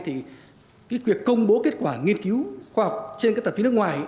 thì việc công bố kết quả nghiên cứu khoa học trên các tập trí nước ngoài